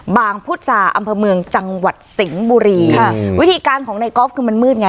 พุทธศาอำเภอเมืองจังหวัดสิงห์บุรีค่ะวิธีการของในกอล์ฟคือมันมืดไง